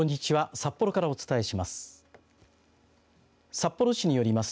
札幌からお伝えします。